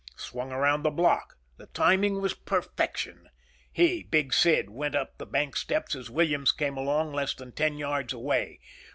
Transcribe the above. Swung around the block. The timing was perfection. He, Big Sid, went up the bank steps as Williams came along less than ten yards away.